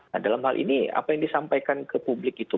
nah dalam hal ini apa yang disampaikan ke publik itu